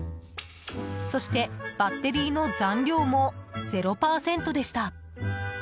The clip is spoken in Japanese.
そして、バッテリーの残量も０％でした。